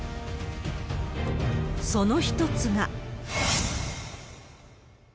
その一つが。